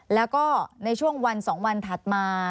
แล้วก็ในช่วงวัน๒วันถัดมา